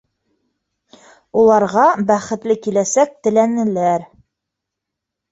Уларға бәхетле киләсәк теләнеләр.